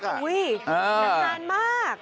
น้ำทานมาก